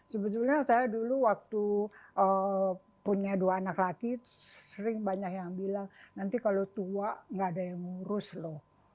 sebetulnya saya dulu waktu punya dua anak laki sering banyak yang bilang nanti kalau tua nggak ada yang ngurus loh